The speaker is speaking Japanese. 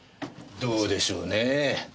どうでしょうねぇ。